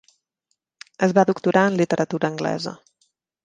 Es va doctorar en Literatura anglesa.